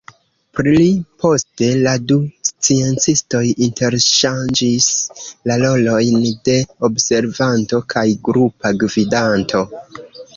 Pli poste la du sciencistoj interŝanĝis la rolojn de observanto kaj grupa gvidanto.